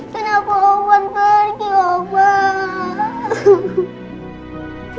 kenapa om roy pergi om roy